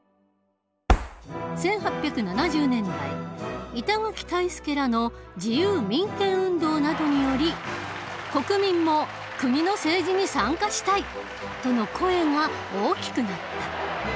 １８７０年代板垣退助らの自由民権運動などにより国民も「国の政治に参加したい！」との声が大きくなった。